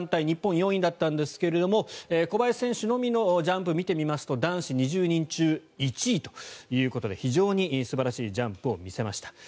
日本は４位だったんですが小林選手のみのジャンプを見てみますと男子２０人中１位ということで非常に素晴らしいジャンプを見せました。